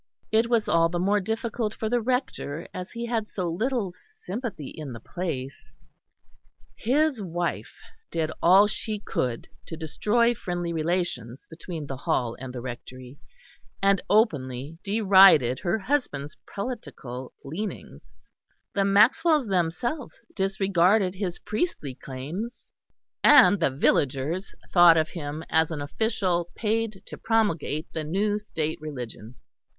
It was all the more difficult for the Rector, as he had so little sympathy in the place; his wife did all she could to destroy friendly relations between the Hall and the Rectory, and openly derided her husband's prelatical leanings; the Maxwells themselves disregarded his priestly claims, and the villagers thought of him as an official paid to promulgate the new State religion.